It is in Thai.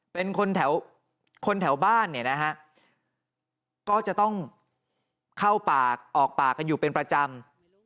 เป็นคนแถวบ้านก็จะต้องเข้าป่าออกป่ากันอยู่เป็นประจำ